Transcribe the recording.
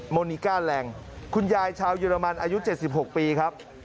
นิก้าแรงคุณยายชาวเยอรมันอายุ๗๖ปีครับ